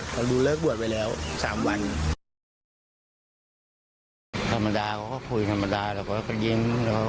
เขารู้เลิกบวชไปแล้ว๓วัน